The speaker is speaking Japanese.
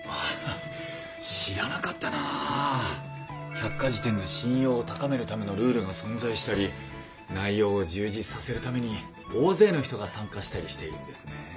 百科事典の信用を高めるためのルールが存在したり内容を充実させるために大勢の人が参加したりしているんですね。